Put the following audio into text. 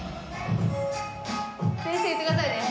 先生言ってくださいね。